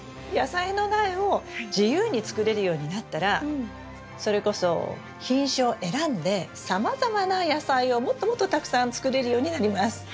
野菜の苗を自由に作れるようになったらそれこそ品種を選んでさまざまな野菜をもっともっとたくさん作れるようになります。